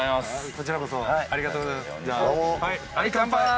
こちらこそありがとうございますありっ乾杯！